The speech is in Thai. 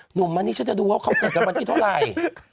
หนุ่มอันนี้ฉันจะดูว่าเขาเกิดกันวันที่เท่าไหร่